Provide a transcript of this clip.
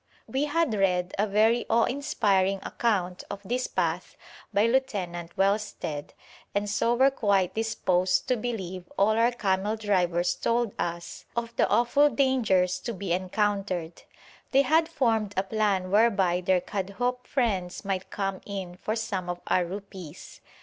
We had read a very awe inspiring account of this path by Lieutenant Wellsted, and so were quite disposed to believe all our camel drivers told us of the awful dangers to be encountered. They had formed a plan whereby their Kadhoup friends might come in for some of our rupees.